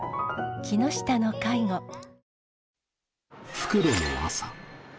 復路の朝。